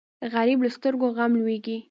غریب له سترګو غم لوېږي